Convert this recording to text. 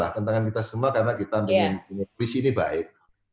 tantangan kita semua karena kita punya visi ini baik